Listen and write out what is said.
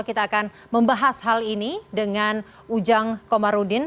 kita akan membahas hal ini dengan ujang komarudin